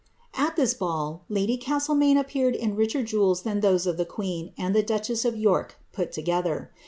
' lis ball lady Castlemaine appeared in richer jewels than those of sen and the duchess of York put together.